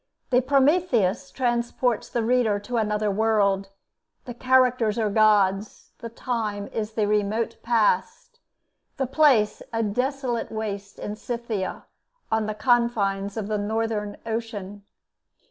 The 'Prometheus' transports the reader to another world. The characters are gods, the time is the remote past, the place a desolate waste in Scythia, on the confines of the Northern Ocean.